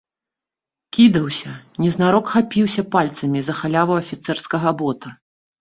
Кідаўся, незнарок хапіўся пальцамі за халяву афіцэрскага бота.